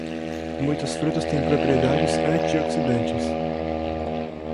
Muitas frutas têm propriedades antioxidantes.